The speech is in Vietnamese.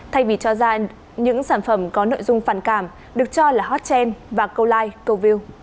thay vì cho ra những sản phẩm có nội dung phản cảm được cho là hot trend và câu like câu view